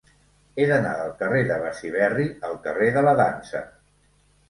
He d'anar del carrer de Besiberri al carrer de la Dansa.